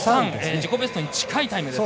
自己ベストに近いタイムです。